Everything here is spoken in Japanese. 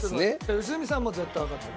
良純さんもう絶対わかってる。